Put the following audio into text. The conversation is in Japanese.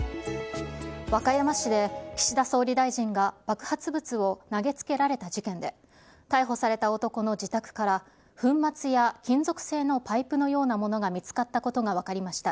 和歌山市で岸田総理大臣が爆発物を投げつけられた事件で、逮捕された男の自宅から、粉末や金属製のパイプのようなものが見つかったことが分かりました。